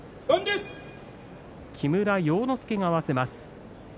木村要之助が合わせます。